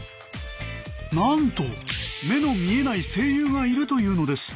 なんと目の見えない声優がいるというのです。